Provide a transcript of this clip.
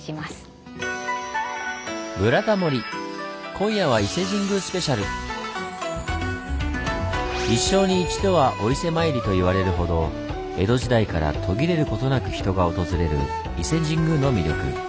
今夜は「一生に一度はお伊勢参り」と言われるほど江戸時代から途切れることなく人が訪れる伊勢神宮の魅力。